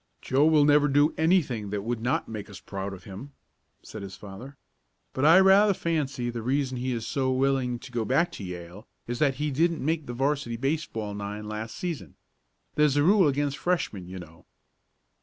"Joe will never do anything that would not make us proud of him," said his father. "But I rather fancy the reason he is so willing to go back to Yale is that he didn't make the 'varsity baseball nine last season. There's a rule against Freshmen, you know."